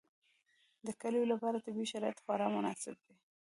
د کلیو لپاره طبیعي شرایط خورا مناسب دي.